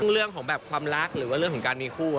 เรื่องของแบบความรักหรือว่าเรื่องของการมีคู่